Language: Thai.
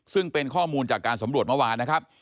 ซึ่งเป็นข้อมูลจากการสำรวจเมื่อวานนะครับ